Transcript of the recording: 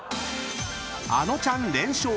［あのちゃん連勝］